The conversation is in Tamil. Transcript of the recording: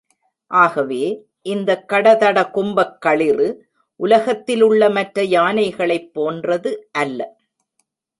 ஆகவே, இந்தக் கடதட கும்பக் களிறு, உலகத்திலுள்ள மற்ற யானைகளைப் போன்றது அல்ல.